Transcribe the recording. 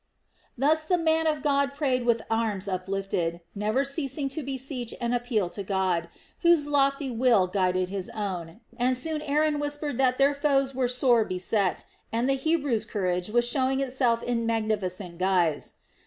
Thus the man of God prayed with arms uplifted, never ceasing to beseech and appeal to God, whose lofty will guided his own, and soon Aaron whispered that their foes were sore beset and the Hebrews' courage was showing itself in magnificent guise.